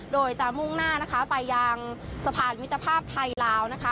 โดยจะมุ่งหน้านะคะไปยังสะพานมิตรภาพไทยลาวนะคะ